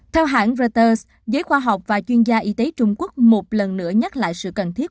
theo hãng reuters giới khoa học và chuyên gia y tế trung quốc một lần nữa nhắc lại sự cần thiết